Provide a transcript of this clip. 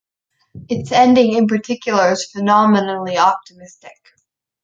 Its ending in particular is phenomenally optimistic.